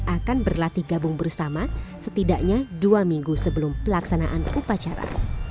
akan berlatih gabung bersama setidaknya dua minggu sebelum pelaksanaan upacara